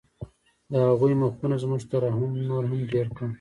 د هغوی مخونو زموږ ترحم نور هم ډېر کړ